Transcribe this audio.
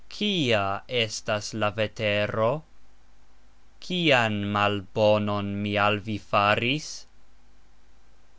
Kia estas la vetero? Kian malbonon mi al vi faris?